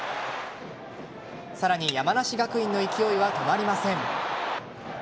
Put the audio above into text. さらに山梨学院の勢いは止まりません。